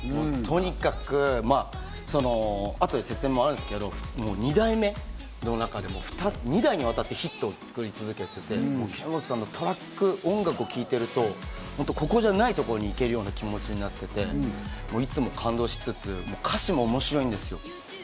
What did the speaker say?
後で説明もあるんですけど、２代目の中でも、２代にわたってヒットを作り続けてるケンモチさんのトラック、音楽を聴いていると、ここじゃないところに行けるような気持ちになって、いつも感動しつつ、歌詞も面白いんですよ。